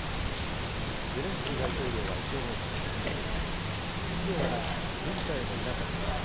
ゼレンスキー大統領はＳＮＳで、基地ではなく、軍隊もいなかった。